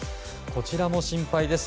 こちらも心配です。